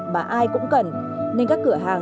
mà ai cũng cần nên các cửa hàng